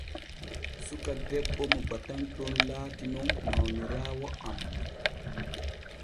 Suka debbo mo batanton laati nun mawniraawo am.